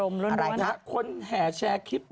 อะไรนะฮะคนแห่แชร์คลิป